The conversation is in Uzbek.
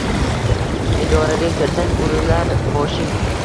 Idoraga kirsang urilar boshing